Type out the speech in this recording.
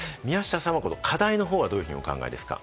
宮下さんは課題の方はどうお考えですか？